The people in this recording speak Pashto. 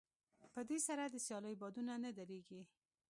په دې سره د سيالۍ بادونه نه درېږي.